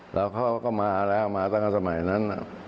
แล้วเขาก็มาแล้วมาตั้งแต่สมัยนั้น